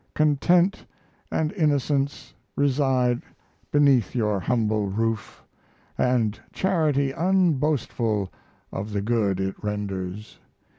Content and innocence reside beneath your humble roof and charity unboastful of the good it renders....